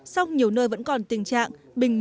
sau nhiều nơi vẫn còn tình trạng bình mờ